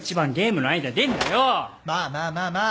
まあまあまあまあ。